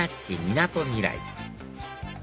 みなとみらい